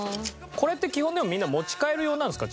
これって基本でもみんな持ち帰る用なんですか？